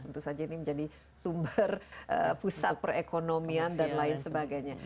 tentu saja ini menjadi sumber pusat perekonomian dan lain sebagainya